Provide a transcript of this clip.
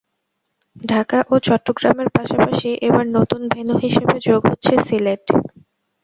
ঢাকা ও চট্টগ্রামের পাশাপাশি এবার নতুন ভেন্যু হিসেবে যোগ হচ্ছে সিলেট।